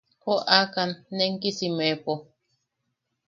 Joʼakam nenkisimepo.